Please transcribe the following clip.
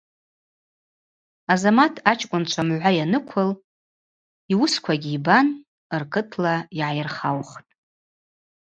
Азамат ачкӏвынчва мгӏва йаныквыл, йуысквагьи йбан, ркытла йгӏайырхаухтӏ.